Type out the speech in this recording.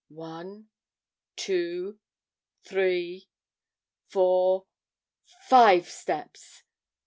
One, two, three, four, five steps!